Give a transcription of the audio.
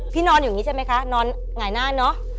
นอนอยู่อย่างนี้ใช่ไหมคะนอนหงายหน้าเนอะ